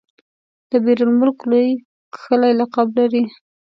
دبیر المک لوی کښلی لقب لري.